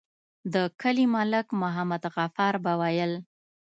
د کلي ملک محمد غفار به ويل.